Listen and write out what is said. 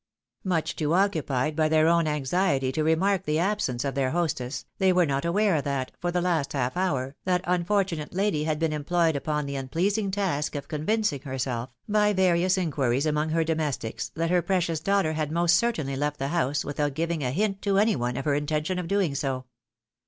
Much too occupied by their own anxiety to remark the absence of their hostess, they were not aware that, for the last half hour, that unfortunate lady had been employed upon the unpleasing task of convincing herself, by various inquiries among her domestics, that her precious daughter had most certainly left the house without giving a hint to any one of her intention of doing so.